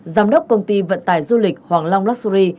giám đốc công ty vận tài du lịch hoàng long luxury